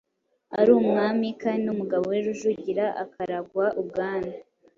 ari umwami, kandi n'umugabo we Rujugira akaragwa ubwami.